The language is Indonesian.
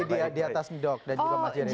di atas dok dan juga mas jeremy